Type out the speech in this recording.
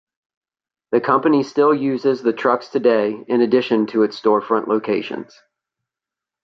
The company still uses the trucks today in addition to its storefront locations.